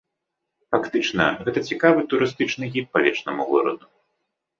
Фактычна гэта цікавы турыстычны гід па вечнаму гораду.